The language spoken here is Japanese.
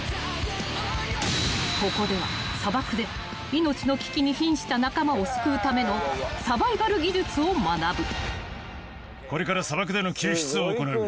［ここでは砂漠で命の危機にひんした仲間を救うためのサバイバル技術を学ぶ］